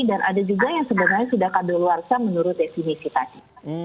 dan ada juga yang sebenarnya sudah kabel luar sana menurut definisi tadi